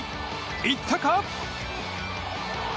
行ったか？